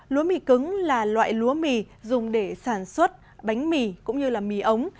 lúa mì cứng là loại lúa mì dùng để sản xuất bánh mì cũng như mì ống